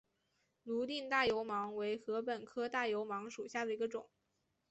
泸定大油芒为禾本科大油芒属下的一个种。